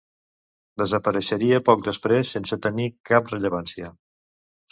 Desapareixeria poc després sense tenir cap rellevància.